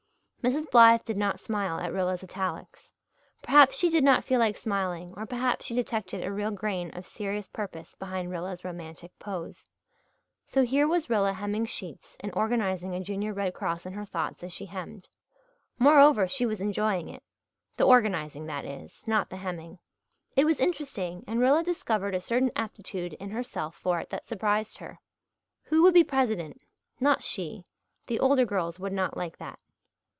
Mrs. Blythe did not smile at Rilla's italics. Perhaps she did not feel like smiling or perhaps she detected a real grain of serious purpose behind Rilla's romantic pose. So here was Rilla hemming sheets and organizing a Junior Red Cross in her thoughts as she hemmed; moreover, she was enjoying it the organizing that is, not the hemming. It was interesting and Rilla discovered a certain aptitude in herself for it that surprised her. Who would be president? Not she. The older girls would not like that.